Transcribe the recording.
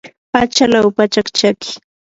achalaw pachak chaki.